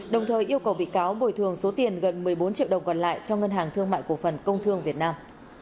đồng thời yêu cầu bị cáo bồi thường số tiền gần một mươi bốn triệu đồng còn lại cho ngân hàng thương mại cổ phần công thương việt nam